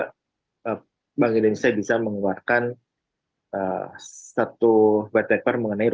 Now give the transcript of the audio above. karena bank indonesia bisa mengeluarkan satu bad paper mengenai rupiah